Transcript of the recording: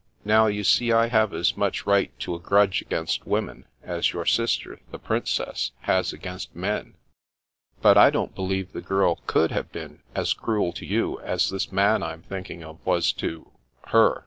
Now you see I have as much right to a grudge against women, as your sister the Prin cess has against men." " But I don't believe the girl could have been as cruel to you, as this man Fm thinking of was to— her.